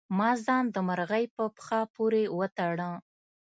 ما ځان د مرغۍ په پښه پورې وتړه.